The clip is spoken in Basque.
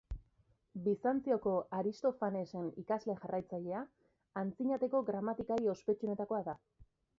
Bizantzioko Aristofanesen ikasle jarraitzailea, Antzinateko gramatikari ospetsuenetakoa da.